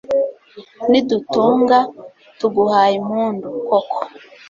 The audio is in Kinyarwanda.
ridutunga, tuguhaye impundu, koko